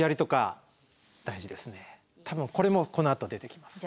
多分これもこのあと出てきます。